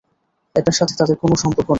এটার সাথে তাদের কোনো সম্পর্ক নেই।